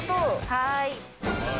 はい。